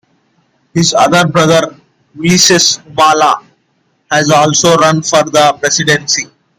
His other brother, Ulises Humala, has also run for the presidency.